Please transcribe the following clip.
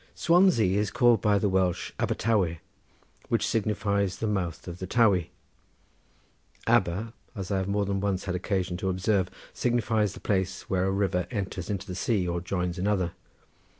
Swansea is called by the Welsh Abertawé, which signifies the mouth of the Tawy. Aber, as I have more than once had occasion to observe, signifies the place where a river enters into the sea or joins another.